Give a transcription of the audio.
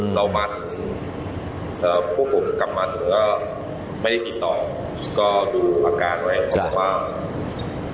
พวกผมกลับมาถึงก็ไม่ได้ติดต่อก็ดูอาการอะไร